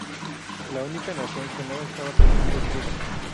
La única nación que no estaba representada es Cuba.